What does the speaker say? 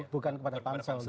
bukan kepada pansel